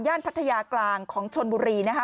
พัทยากลางของชนบุรีนะคะ